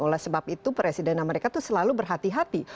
oleh sebab itu presiden amerika itu selalu berhati hati